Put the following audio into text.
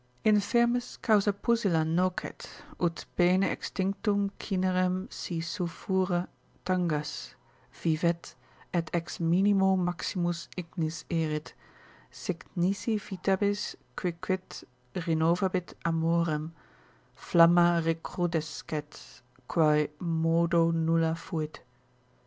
———Infirmis causa pusilla nocet, Ut pene extinctum cinerem si sulphure tangas, Vivet, et ex minimo maximus ignis erit: Sic nisi vitabis quicquid renovabit amorem, Flamma recrudescet, quae modo nulla fuit.